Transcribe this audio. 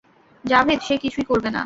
জাভেদ, সে কিছুই করবে না।